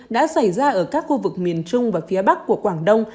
đã xảy ra ở các khu vực miền trung và phía bắc của quảng đông